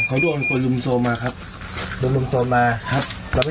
เขาโดนกลุ่มโซมมาครับ